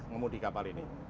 ngemudi kapal ini